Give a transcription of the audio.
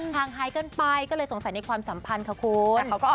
งหายกันไปก็เลยสงสัยในความสัมพันธ์ค่ะคุณ